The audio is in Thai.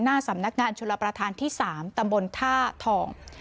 หน้าสำนักงานชลประธานที่๓ตำบลท่าทอง